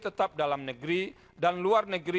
tetap dalam negeri dan luar negeri